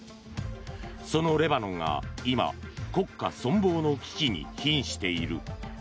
そのレバノンが今国家存亡の危機に瀕している。